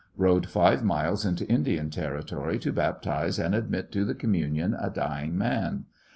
Eode five miles into Indian Territory to baptize and admit to the communion a dying man.